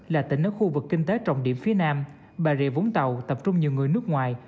là tỉnh ở khu vực kinh tế trọng điểm phía nam bà rịa vũng tàu tập trung nhiều người nước ngoài